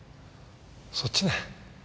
そっちね。